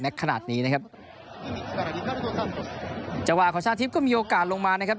ขนาดนี้นะครับจังหวะของชาทิพย์ก็มีโอกาสลงมานะครับ